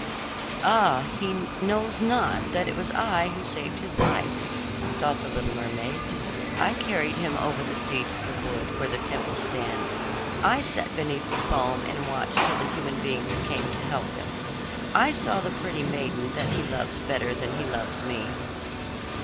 "Ah, he knows not that it was I who saved his life," thought the little mermaid. "I carried him over the sea to the wood where the temple stands; I sat beneath the foam and watched till the human beings came to help him. I saw the pretty maiden that he loves better than he loves me."